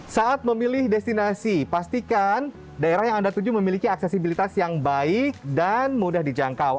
saat memilih destinasi pastikan daerah yang anda tuju memiliki aksesibilitas yang baik dan mudah dijangkau